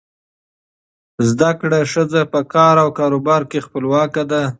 زده کړه ښځه په کار او کاروبار کې خپلواکه ده.